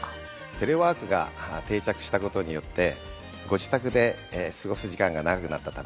テレワークが定着したことによってご自宅で過ごす時間が長くなったためか